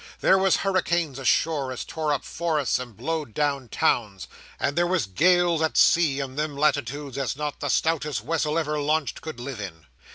There was hurricanes ashore as tore up forests and blowed down towns, and there was gales at sea in them latitudes, as not the stoutest wessel ever launched could live in.